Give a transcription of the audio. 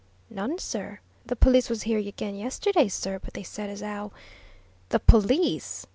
"None, sir. The police was here again yesterday sir, but they said as 'ow " "The police!"